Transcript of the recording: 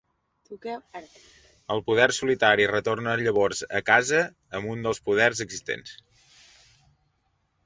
El Poder Solitari retorna llavors a "casa" amb un dels Poders Existents.